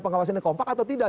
pengawasannya kompak atau tidak